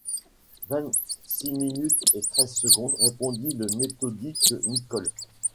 Vingt-six minutes et treize secondes, répondit le méthodique Nicholl.